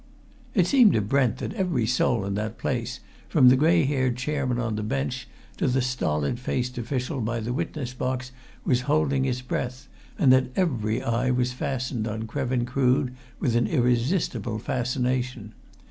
It seemed to Brent that every soul in that place, from the grey haired chairman on the bench to the stolid faced official by the witness box was holding his breath, and that every eye was fastened on Krevin Crood with an irresistible fascination.